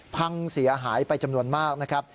พังเสียหายไปจำนวนมากนะครับ